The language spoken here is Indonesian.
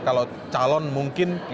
kalau calon mungkin